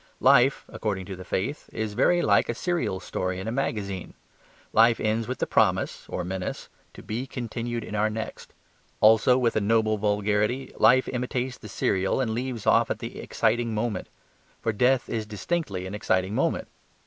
Life (according to the faith) is very like a serial story in a magazine: life ends with the promise (or menace) "to be continued in our next." Also, with a noble vulgarity, life imitates the serial and leaves off at the exciting moment. For death is distinctly an exciting moment.